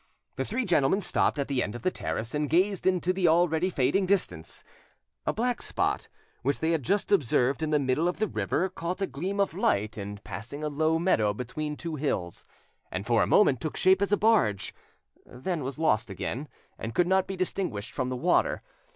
The three gentlemen stopped at the end of the terrace and gazed into the already fading distance. A black spot, which they had just observed in the middle of the river, caught a gleam of light in passing a low meadow between two hills, and for a moment took shape as a barge, then was lost again, and could not be distinguished from the water.